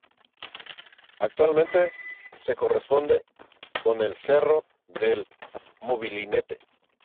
Actualmente se corresponde con el cerro del Molinete.